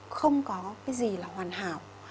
không có cái gì là hoàn hảo